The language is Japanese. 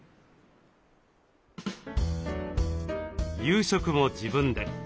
夕食も自分で。